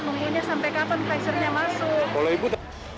umumnya sampai kapan facernya masuk